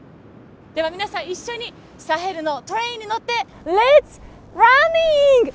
では皆さん一緒にサヘルのトレインに乗ってレッツランニング！